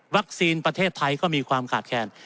วัคซีนประเทศไทยก็มีความกาดแคน